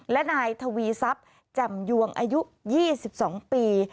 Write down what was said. และนายทวีซับจำยวงอายุ๒๒ปี